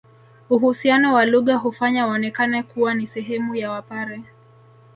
Uhusiano wa lugha hufanya waonekane kuwa ni sehemu ya Wapare